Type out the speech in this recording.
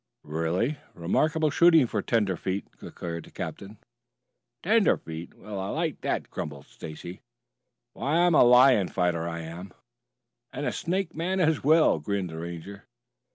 "Really remarkable shooting for tenderfeet," declared the captain. "Tenderfeet? Well, I like that!" grumbled Stacy. "Why, I'm a lion fighter, I am!" "And a snake man as well," grinned the Ranger.